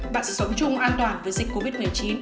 bạn sẽ sống chung an toàn với dịch covid một mươi chín